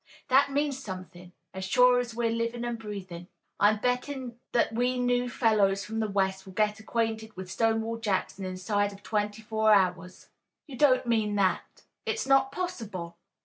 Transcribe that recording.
That means somethin', as shore as we're livin' an' breathin'. I'm bettin' that we new fellows from the west will get acquainted with Stonewall Jackson inside of twenty four hours." "You don't mean that? It's not possible!"